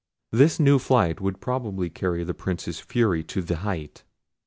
This new flight would probably carry the Prince's fury to the height.